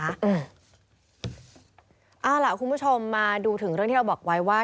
เอาล่ะคุณผู้ชมมาดูถึงเรื่องที่เราบอกไว้ว่า